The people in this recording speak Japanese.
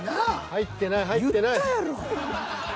入ってない入ってない。